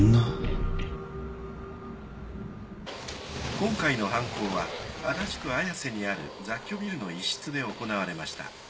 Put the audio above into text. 今回の犯行は足立区綾瀬にある雑居ビルの一室で行われました。